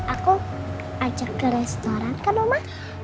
aku ajak ke restoran kan mama